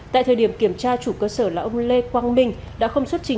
tại thời điểm kiểm tra chủ cơ sở là ông lê quang minh đã không xuất trình